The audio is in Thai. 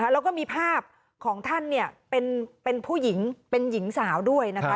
แล้วก็มีภาพของท่านเป็นผู้หญิงเป็นหญิงสาวด้วยนะคะ